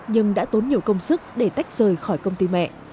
nhưng đã tốn nhiều công sức để tách rời khỏi công ty mẹ